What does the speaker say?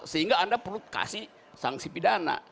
sehingga anda perlu kasih sanksi pidana